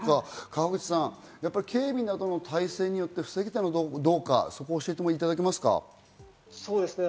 川口さん、警備などの態勢によって防げたのかどうか、そこを教えていただけますか。